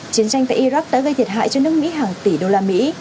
chiến tranh tại iraq đã gây thiệt hại cho nước mỹ hàng tỷ đô la mỹ